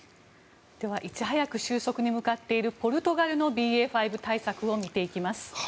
ではいち早く収束に向かっているポルトガルのＢＡ．５対策を見ていきます。